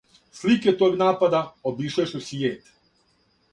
Слике тог напада обишле су свијет.